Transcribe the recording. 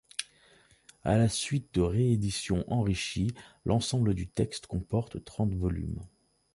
À la suite de rééditions enrichies, l'ensemble du texte comporte trente volumes.